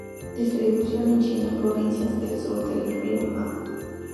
Distribución en China: provincias del sur del río Han.